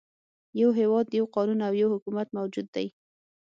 يو هېواد، یو قانون او یو حکومت موجود دی.